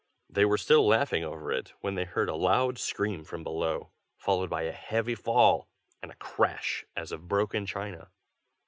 They were still laughing over it, when they heard a loud scream from below, followed by a heavy fall, and a crash as of broken china.